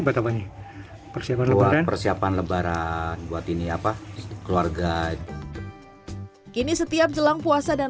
buat apa nih persiapan buat persiapan lebaran buat ini apa keluarga kini setiap jelang puasa dan